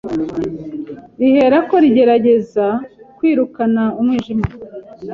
riherako rigerageza kwirukana umwijima.